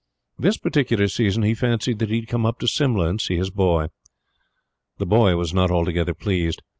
This particular season he fancied that he would come up to Simla, and see his boy. The boy was not altogether pleased.